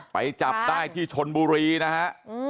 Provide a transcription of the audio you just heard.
ไปจับได้ที่ชนบุรีนะฮะ